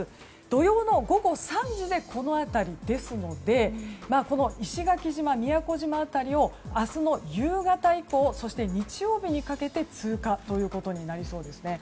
土曜の午後３時でこの辺りですので石垣島、宮古島辺りを明日の夕方以降そして日曜日にかけて通過ということになりそうです。